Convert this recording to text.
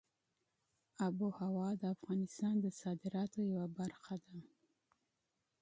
آب وهوا د افغانستان د صادراتو یوه برخه ده.